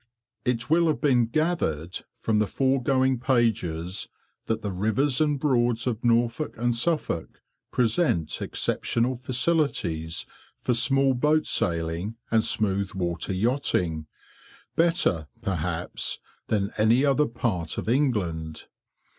It will have been gathered from the foregoing pages that the Rivers and Broads of Norfolk and Suffolk present exceptional facilities for small boat sailing and smooth water yachting, better, perhaps, than any other part of England.